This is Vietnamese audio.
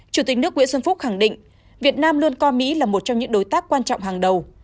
chủ tịch nước nguyễn xuân phúc khẳng định việt nam luôn coi mỹ là một trong những đối tác quan trọng hàng đầu